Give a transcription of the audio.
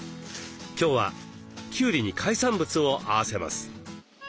今日はきゅうりに海産物を合わせます。